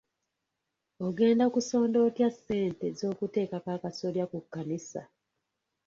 Ogenda kusonda otya ssente z'okuteekako akasolya ku kkanisa